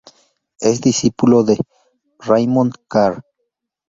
Es discípulo de Raymond Carr.